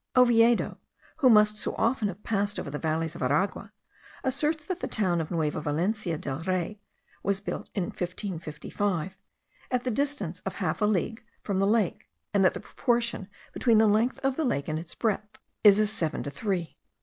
Oviedo, who must so often have passed over the valleys of Aragua, asserts that the town of Nueva Valencia del Rey was built in 1555, at the distance of half a league from the lake; and that the proportion between the length of the lake and its breadth, is as seven to three.